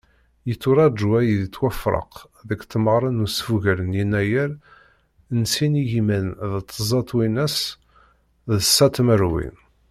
Yetturaǧu ad yettwafraq deg tmeɣra n usfugel n yennayer n sin igiman d tẓa twinas d ṣa tmerwin.